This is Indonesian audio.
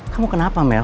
kamu kenapa mel